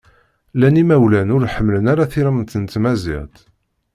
Llan imawlan ur ḥemmlen ara tiremt n tmaziɣt.